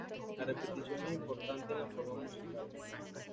La repetición es importante en la forma musical.